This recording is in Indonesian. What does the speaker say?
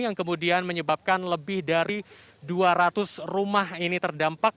yang kemudian menyebabkan lebih dari dua ratus rumah ini terdampak